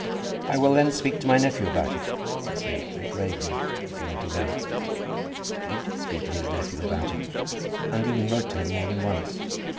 "I will then speak to my nephew about it," he said, very gravely, as he went away. And he did speak to his nephew about it, and even wrote to him more than once.